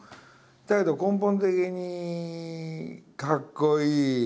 だけど根本的に「かっこいい」。